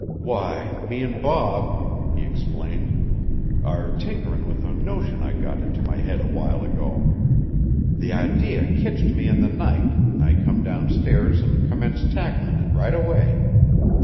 "Why, me an' Bob," he explained, "are tinkerin' with a notion I got into my head a while ago. The idee kitched me in the night, an' I come downstairs an' commenced tacklin' it right away.